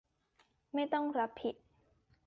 ไม่ต้องรับผิด